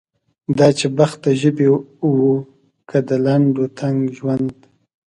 دا چې بخت د ژبې و که د لنډ و تنګ ژوند.